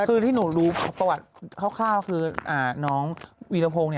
คือที่หนูรู้ประวัติคร่าวคือน้องวีรพงศ์